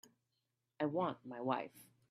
I want my wife.